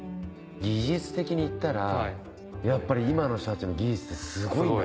技術的にいったらやっぱり今の人たちの技術ってすごいんだなって思いますね。